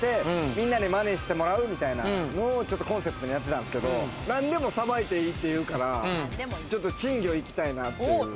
みんなでまねしてもらうみたいなのをコンセプトにやってたんですけど、何でもさばいていいっていうから珍魚行きたいなっていう。